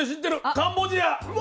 「カンボジア」。